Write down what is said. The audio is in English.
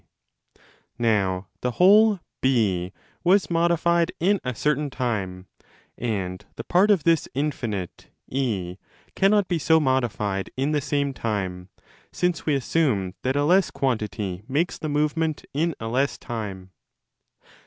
Now the whole B was modified in a certain time, and the part of this infinite, £, cannot be so modified in the same time, since we assume that a less quantity makes the move ment in a less time.